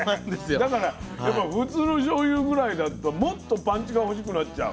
だから普通のしょうゆぐらいだともっとパンチが欲しくなっちゃう。